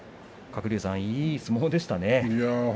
鶴竜さん、いい相撲でしたね。